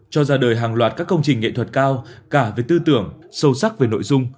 cho ra đời hàng loạt các công trình nghệ thuật cao cả về tư tưởng sâu sắc về nội dung